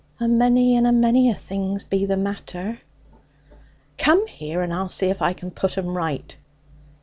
'A many and a many things be the matter.' 'Come here, and I'll see if I can put 'em right.'